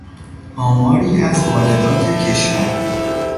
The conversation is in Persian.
آماری از واردات کشور